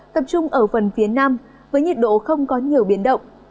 tập trung ở phần phía nam với nhiệt độ không có nhiều biến động